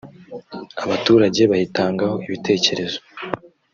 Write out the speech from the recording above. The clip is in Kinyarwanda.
abaturage bayitangaho ibitekerezo